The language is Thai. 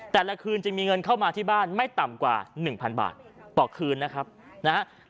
แต่ละคืนจะมีเงินเข้ามาที่บ้านไม่ต่ำกว่า๑๐๐บาทต่อคืนนะครับนะฮะ